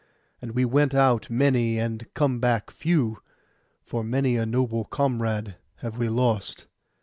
We went out many, and come back few, for many a noble comrade have we lost.